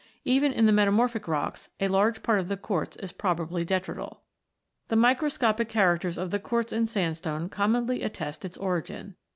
Even in the metamorphic rocks, a large part of the quartz is probably detrital. The microscopic characters of the quartz in sandstone commonly attest its origin.